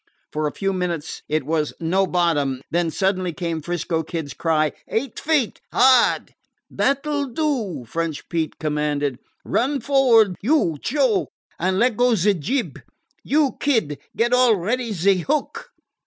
For a few minutes it was "No bottom"; and then, suddenly, came 'Frisco Kid's cry: "Eight feet hard!" "Dat 'll do," French Pete commanded. "Run for'ard, you Sho, an' let go ze jib. You, Kid, get all ready ze hook."